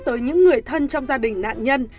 tới những người thân trong gia đình nạn nhân